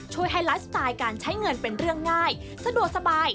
ให้ไลฟ์สไตล์การใช้เงินเป็นเรื่องง่ายสะดวกสบาย